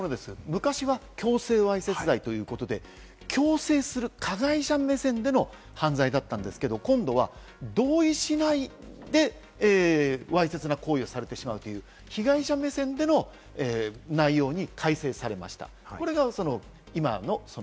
昔は強制わいせつ罪ということで強制する、加害者目線での犯罪だったんですけど、今度は同意しないでわいせつな行為をされてしまうという被害者目線での内容に改正されました。